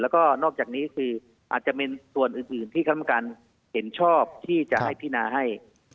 แล้วก็นอกจากนี้คืออาจจะเป็นส่วนอื่นที่คำการเห็นชอบที่จะให้พินาให้